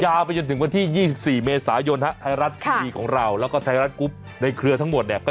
ไปจนถึงวันที่๒๔เมษายนฮะไทยรัฐทีวีของเราแล้วก็ไทยรัฐกรุ๊ปในเครือทั้งหมดเนี่ยก็